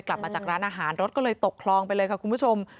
กลับมาจากร้านอาหารรถก็เลยตกคลองไปเลยค่ะคุณผู้ชม